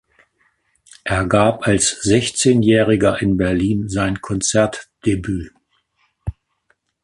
Er gab als Sechzehnjähriger in Berlin sein Konzertdebüt.